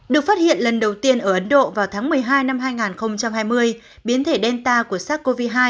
được phát hiện lần đầu tiên ở ấn độ vào tháng một mươi hai năm hai nghìn hai mươi biến thể delta của sars cov hai